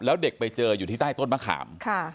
แล้วเด็กไปเจออยู่ที่ใต้ต้นมะขาม